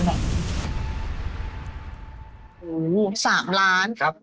ครับ